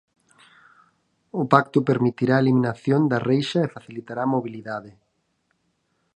O pacto permitirá a eliminación da reixa e facilitará a mobilidade.